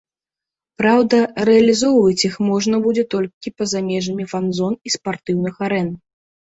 Праўда, рэалізоўваць іх можна будзе толькі па-за межамі фан-зон і спартыўных арэн.